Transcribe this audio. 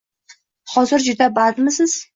Hozir juda bandmisiz?